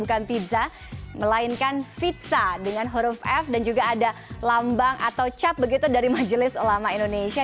bukan pizza melainkan pizza dengan huruf f dan juga ada lambang atau cap begitu dari majelis ulama indonesia